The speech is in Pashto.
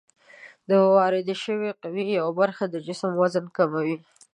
د واردې شوې قوې یوه برخه د جسم وزن کموي.